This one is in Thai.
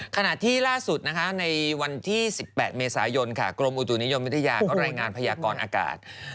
ขณะที่ล่าสุดในวันที่๑๘เมษายนกรมอุตุนิยมวิทยาก็รายงานพยากรอากาศ